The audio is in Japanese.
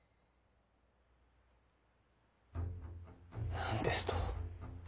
何ですと？